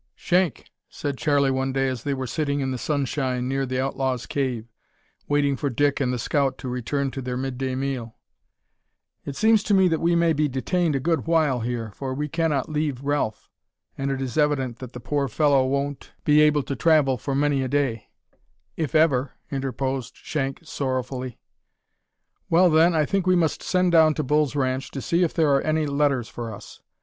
"Shank," said Charlie one day as they were sitting in the sunshine near the outlaws' cave, waiting for Dick and the scout to return to their mid day meal, "it seems to me that we may be detained a good while here, for we cannot leave Ralph, and it is evident that the poor fellow won't be able to travel for many a day " "If ever," interposed Shank sorrowfully. "Well, then, I think we must send down to Bull's Ranch, to see if there are any letters for us.